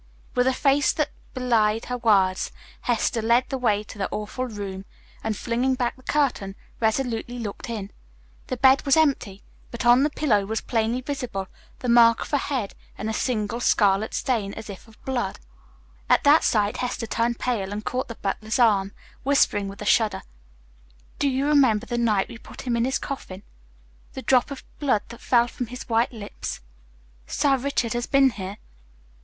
With a face that belied her words Hester led the way to the awful room, and flinging back the curtain resolutely looked in. The bed was empty, but on the pillow was plainly visible the mark of a head and a single scarlet stain, as of blood. At that sight Hester turned pale and caught the butler's arm, whispering with a shudder, "Do you remember the night we put him in his coffin, the drop of blood that fell from his white lips? Sir Richard has been here."